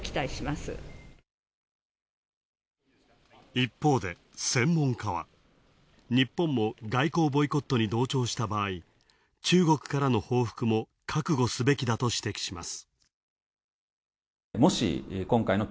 一方で専門家は、日本も外交ボイコットに同調した場合、中国からの報復も覚悟すべきだと指摘します。